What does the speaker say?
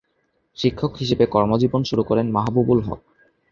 শিক্ষক হিসেবে কর্মজীবন শুরু করেন মাহবুবুল হক।